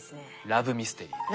ラブミステリーです。